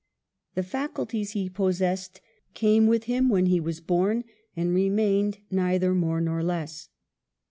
The faculties he possessed came with him when he was born, and remained neither more nor less.